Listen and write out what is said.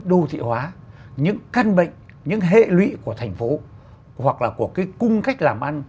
đô thị hóa những căn bệnh những hệ lụy của thành phố hoặc là của cái cung cách làm ăn